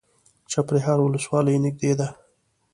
چپرهار ولسوالۍ نږدې ده؟